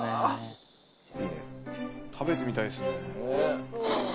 食べてみたいですね。